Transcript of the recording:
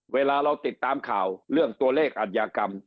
เวลาเราติดตามข่าวเรื่องตัวเลขอัธยากรรม